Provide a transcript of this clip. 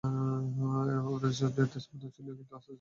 ওর উচ্চ হৃদস্পন্দন ছিলো, কিন্তু আসতে আসতে আমি তা নামিয়ে এনেছি।